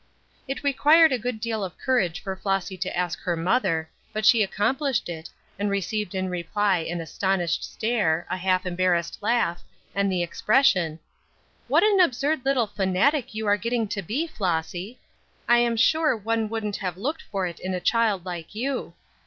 It required a good deal of courage for Flossy to ask her mother, but she accomplished it, and received in reply an astonished stare, a half embarrassed laugh, and the expression: "What an absurd little fanatic you are getting to be, Flossy! I am sure one wouldn't have looked for it in a child like you!